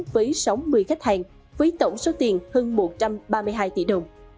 với sáu mươi khách hàng với tổng số tiền hơn một trăm ba mươi hai tỷ đồng